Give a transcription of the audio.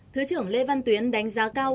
thứ trưởng lê văn tuyến đánh giá cao